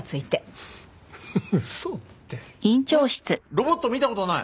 ロボット見た事ない？